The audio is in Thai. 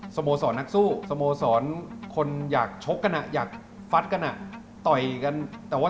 สโมสรนักสู้สโมสรคนอยากชกกันอ่ะอยากฟัดกันอ่ะต่อยกันแต่ว่า